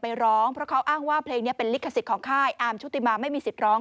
ร้องเพราะเขาอ้างว่าเพลงนี้เป็นลิขสิทธิ์ของค่ายอาร์มชุติมาไม่มีสิทธิ์ร้อง